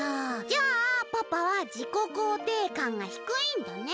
じゃあパパは自己肯定感がひくいんだね。